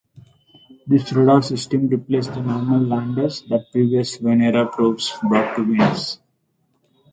This radar system replaced the normal landers that previous Venera probes brought to Venus.